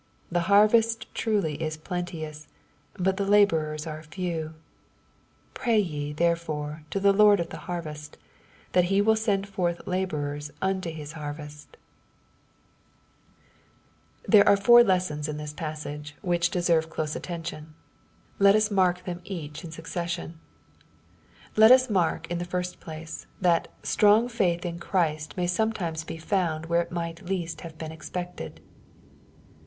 The harvest truly is plenteous, but the laborers are few ; 88 Pray ye therefore the Xiord of the harvest, that he will send fortli laborers into his harvest. MATTHEW, CHAP. IX. 91 Thebe are four lessons in this passage, which deserve close attention. Let us mark them each in succession. Let us mark, in the first place, that strong faith in Christ may sometimes he found where it might least have been expected.